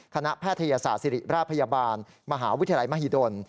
แพทยศาสตร์ศิริราชพยาบาลมหาวิทยาลัยมหิดล